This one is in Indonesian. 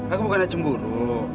aku bukan cemburu